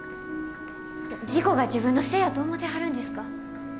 事故が自分のせいやと思てはるんですか？